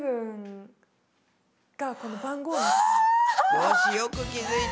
よしよく気付いた。